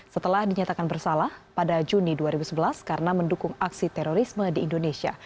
setelah dinyatakan bersalah pada juni dua ribu sebelas karena mendukung aksi terorisme di indonesia